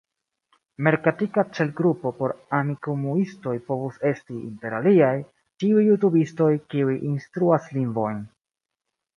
Merkatika celgrupo por Amikumu-istoj povus esti, inter aliaj, ĉiuj jutubistoj kiuj instruas lingvojn.